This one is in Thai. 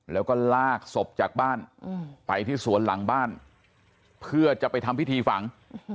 แล้วก็ลากศพจากบ้านไปที่สวนหลังบ้านเพื่อจะไปทำพิธีฝัง